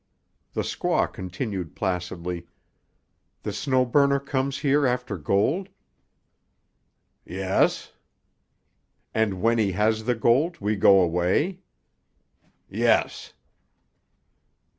The squaw continued placidly— "The Snow Burner comes here after gold?" "Yes." "And when he has the gold we go away?" "Yes."